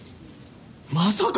まさか！